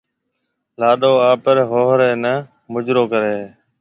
لاڏو آپريَ ھوھرَي نيَ مُجرو ڪرَي ھيََََ